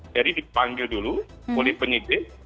jadi dipanggil dulu oleh penyidik